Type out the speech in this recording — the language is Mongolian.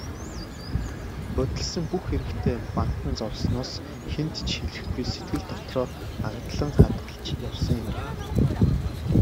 Будилсан бүх хэрэгтээ бантан зовсноос хэнд ч хэлэхгүй, сэтгэл дотроо агдлан хадгалж явсан юм.